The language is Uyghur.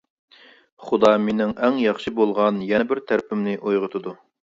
خۇدا مېنىڭ ئەڭ ياخشى بولغان يەنە بىر تەرىپىمنى ئويغىتىدۇ.